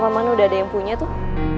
mana udah ada yang punya tuh